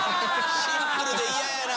シンプルで嫌やな。